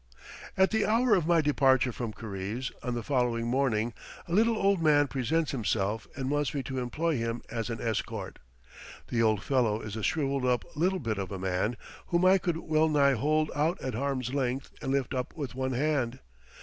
At the hour of my departure from Karize, on the following morning, a little old man presents himself, and wants me to employ him as an escort. The old fellow is a shrivelled up little bit of a man, whom I could well nigh hold out at arm's length and lift up with one hand.